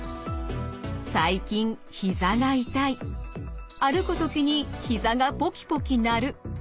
最近ひざが痛い歩く時にひざがポキポキ鳴る。